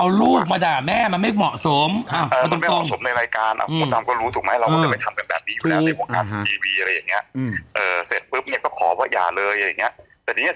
เอาลูกมาด่ะแม่มันไม่เหมาะสม